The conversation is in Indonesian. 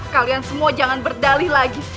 kalian semua jangan berdali lagi